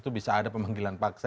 itu bisa ada pemanggilan paksa